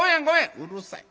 「うるさい。